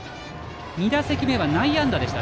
２打席目は内野安打でした。